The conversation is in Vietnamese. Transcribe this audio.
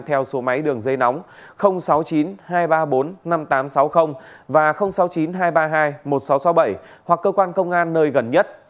theo số máy đường dây nóng sáu mươi chín hai trăm ba mươi bốn năm nghìn tám trăm sáu mươi và sáu mươi chín hai trăm ba mươi hai một nghìn sáu trăm sáu mươi bảy hoặc cơ quan công an nơi gần nhất